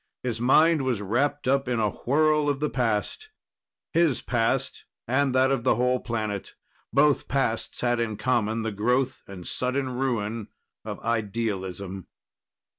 His mind was wrapped up in a whirl of the past his past and that of the whole planet. Both pasts had in common the growth and sudden ruin of idealism.